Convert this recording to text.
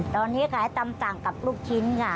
ตอนนี้ขายตำสั่งกับลูกชิ้นค่ะ